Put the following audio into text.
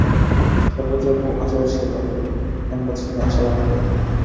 সর্বজয়া খুব আশায় আশায় ছিল, সংবাদ শুনিয়া আশাভঙ্গ হইয়া পড়িল।